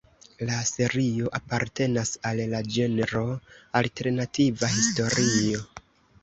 La serio apartenas al la ĝenro alternativa historio.